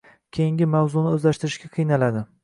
– keyingi mavzuni o‘zlashtirishga qiynaladi